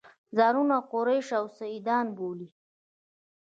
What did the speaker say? ځانونه قریش او سیدان بولي.